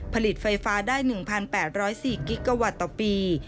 ผลิตไฟฟ้าได้๑๘๐๔กิกาวัตต์ต่อปี